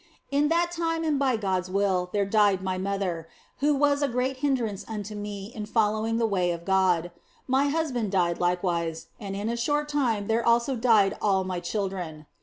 In that time and by God s will there died my mother, who was a great hindrance unto me in following the way of God ; my husband died likewise, and in a short time there also died all my chil dren.